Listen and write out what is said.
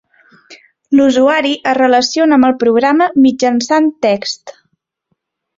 L'usuari es relaciona amb el programa mitjançant text.